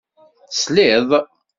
Tesliḍ.